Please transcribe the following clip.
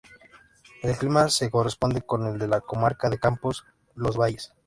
El clima se corresponde con el de la comarca de Campoo-Los Valles.